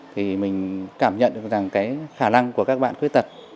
thì mình cảm nhận được rằng cái khả năng của các bạn khuyết tật